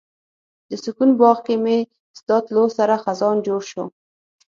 د سکون باغ کې مې ستا تلو سره خزان جوړ شو